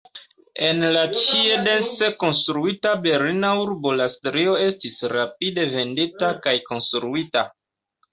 En la ĉie dense konstruita berlina urbo la strio estis rapide vendita kaj konstruita.